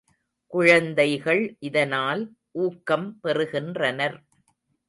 குழந்தைகள் இதனால் ஊக்கம் பெறுகின்றனர்.